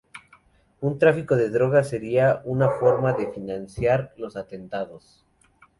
El tráfico de drogas sería una forma de financiar los atentados.